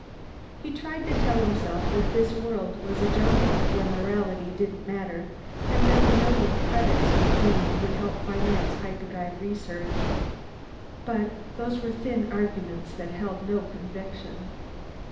He tried to tell himself that this was a jungle world where morality didn't matter, and that the million credits he'd gain would help finance hyperdrive research. But those were thin arguments that held no conviction.